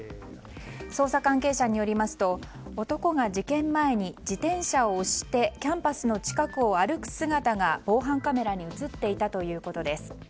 捜査関係者によりますと男が事件前に自転車を押してキャンパスの近くを歩く姿が防犯カメラに映っていたということです